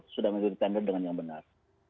sudah menjadi tender dengan yang benar